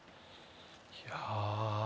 いや。